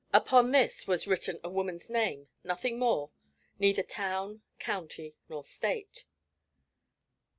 Upon this was written a woman's name, nothing more, neither town, county, nor state.